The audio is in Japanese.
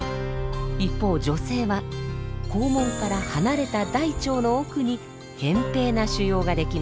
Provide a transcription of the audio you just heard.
一方女性は肛門から離れた大腸の奧にへん平な腫瘍が出来ます。